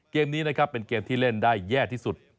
เกมนี้นะครับเป็นเกมที่เล่นได้แย่ที่สุด